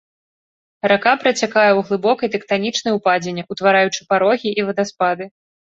Рака працякае ў глыбокай тэктанічнай упадзіне, утвараючы парогі і вадаспады.